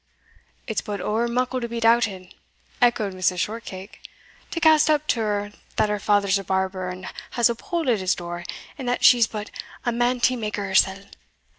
"It's but ower muckle to be doubted," echoed Mrs. Shortcake; "to cast up to her that her father's a barber and has a pole at his door, and that she's but a manty maker hersell!